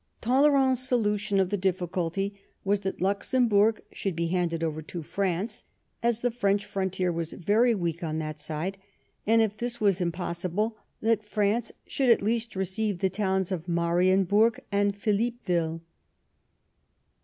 Talley rand's solution of the difficulty was that Luxemburg should be handed over to France, as the French frontier was very weak on that side ; and if this were impossible, that France should at least receive the towns of Marien burg and Philippeville.